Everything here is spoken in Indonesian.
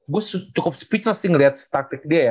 gue cukup speechless sih ngeliat staktik dia ya